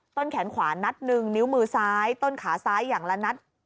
ต้นแขนขวานัดหนึ่งนิ้วมือซ้ายต้นขาซ้ายอย่างละนัด